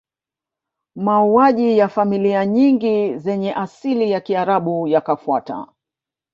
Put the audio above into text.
Mauaji ya familia nyingi zenye asili ya Kiarabu yakafuata